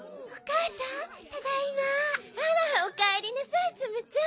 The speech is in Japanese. あらおかえりなさいツムちゃん。